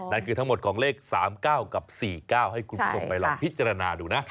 นั่นคือทั้งหมดของเลข๓๙กับ๔๙ให้คุณผู้ชมไปลองพิจารณาดูนะ